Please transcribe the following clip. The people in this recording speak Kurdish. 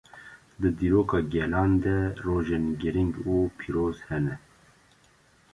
Di dîroka gelan de rojên girîng û pîroz hene.